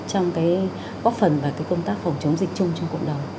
trong cái góp phần và cái công tác phòng chống dịch chung trong cộng đồng